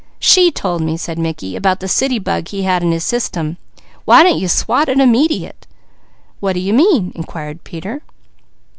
"She told me," said Mickey, "about the city bug he had in his system. Why don't you swat it immediate?" "What do you mean?" inquired Peter.